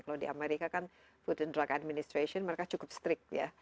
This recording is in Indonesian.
kalau di amerika kan food and drug administration mereka cukup strict ya